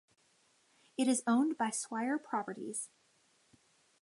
It is owned by Swire Properties.